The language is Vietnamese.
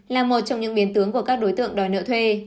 là một trong những biến tướng của các đối tượng đòi nợ thuê